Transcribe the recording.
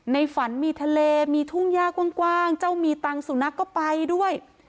ในฝันมีทะเลมีทุ่งย่ากว้างเจ้ามีตังค์สุนัขก็ไปด้วย